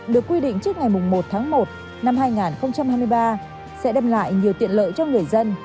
được quy định trước ngày một tháng một năm hai nghìn hai mươi ba sẽ đem lại nhiều tiện lợi cho người dân